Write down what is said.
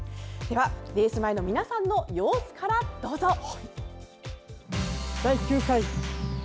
レース前の皆さんの様子からどうぞ！